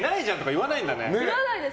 言わないです。